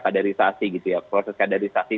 kaderisasi gitu ya proses kaderisasi